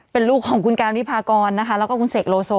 เป็นลูกของคุณการวิพากรนะคะแล้วก็คุณเสกโลโซ